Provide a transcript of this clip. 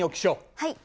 はい。